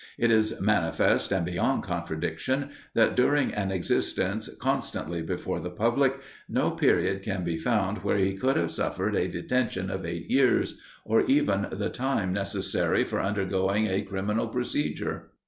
It is manifest, and beyond contradiction, that during an existence constantly before the public, no period can be found where he could have suffered a detention of eight years, or even the time necessary for undergoing a criminal procedure.